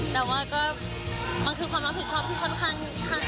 แต่ว่าก็มันคือความรับผิดชอบที่ค่อนข้าง